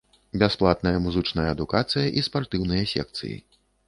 Бясплатная музычная адукацыя і спартыўныя секцыі.